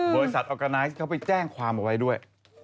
ใช่บริษัทออกาไนท์เข้าไปแจ้งความออกไปด้วย